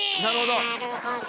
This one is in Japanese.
なるほどね。